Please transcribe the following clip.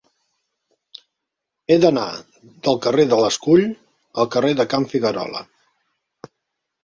He d'anar del carrer de l'Escull al carrer de Can Figuerola.